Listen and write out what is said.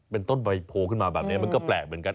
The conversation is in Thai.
เป็นต้นใบโพลขึ้นมาแบบนี้มันก็แปลกเหมือนกัน